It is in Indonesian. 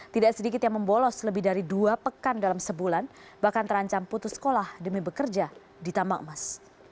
tidak sedikit yang membolos lebih dari dua pekan dalam sebulan bahkan terancam putus sekolah demi bekerja di tambang emas